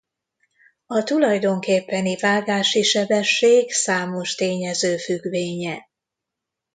A tulajdonképpeni vágási sebesség számos tényező függvénye.